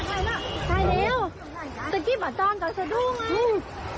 ใส่เร็วสักทีบำตรอนเกิ่าสะดวกไงอุ้ย